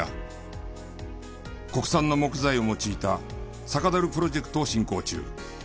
国産の木材を用いた酒樽プロジェクトを進行中。